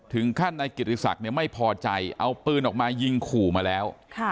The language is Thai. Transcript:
ท่านนายกิติศักดิ์ไม่พอใจเอาปืนออกมายิงขู่มาแล้ว